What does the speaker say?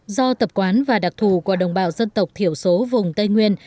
do tập quán và đặc thù của đồng bào dân tộc thiểu số vùng tây nguyên